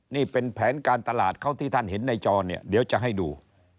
นี่เป็นแผนการตลาดเขาที่ท่านเห็นในจอเนี่ยเดี๋ยวจะให้ดู